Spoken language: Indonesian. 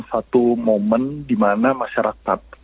satu momen dimana masyarakat australia